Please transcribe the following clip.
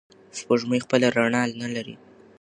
سپوږمۍ خپله رڼا نلري.